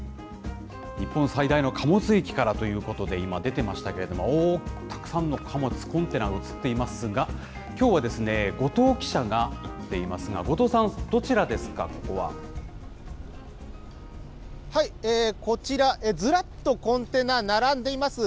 日本最大の貨物駅からということで、今出てましたけれども、おおっ、たくさんの貨物、コンテナが映っていますが、きょうは後藤記者が行っていますが、後藤さん、こちら、ずらっとコンテナ並んでいます。